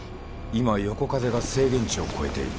今横風が制限値を超えている。